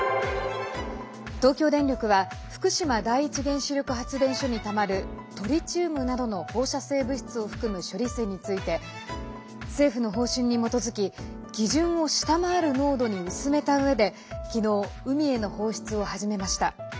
東京電力は福島第一原子力発電所にたまるトリチウムなどの放射性物質を含む処理水について政府の方針に基づき基準を下回る濃度に薄めたうえで昨日、海への放出を始めました。